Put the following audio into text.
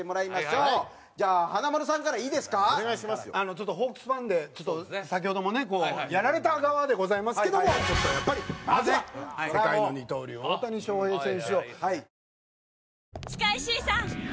ちょっとホークスファンで先ほどもねこうやられた側ではございますけどもちょっとやっぱりまずは世界の二刀流大谷翔平選手を。